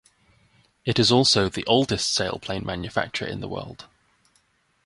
It is also the oldest sailplane manufacturer in the world.